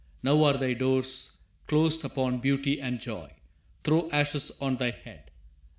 Now are thy doors closed upon beauty and joy. Throw ashes on thy head!